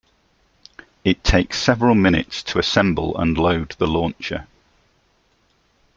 It takes several minutes to assemble and load the launcher.